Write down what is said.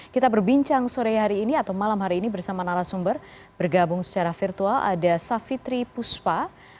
kita berbincang sore hari ini atau malam hari ini bersama narasumber bergabung secara virtual ada savitri puspa